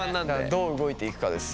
どう動いていくかですよ。